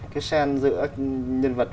cái sen giữa nhân vật